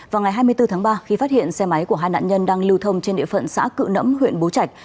vào ngày hai mươi bốn tháng ba khi phát hiện xe máy của hai nạn nhân đang lưu thông trên địa phận xã cự nẫm huyện bố trạch